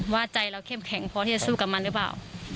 ว่าใจเราเข้มแข็งพอที่จะสู้กับมันหรือเปล่า